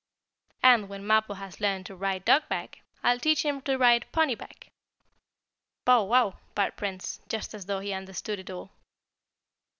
And, when Mappo has learned to ride dog back, I'll teach him to ride pony back." "Bow wow!" barked Prince, just as though he understood it all.